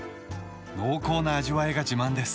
濃厚な味わいが自慢です。